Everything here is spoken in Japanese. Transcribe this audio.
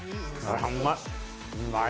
あうまい！